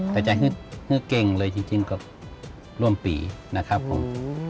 ใจฮึดเก่งเลยจริงกับร่วมปีนะครับผม